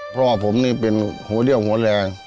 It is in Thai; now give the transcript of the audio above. เพราะว่าผมนี่เป็นหัวเดี่ยวหัวแรง